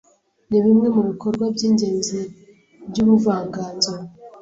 Nibimwe mubikorwa byingenzi byubuvanganzo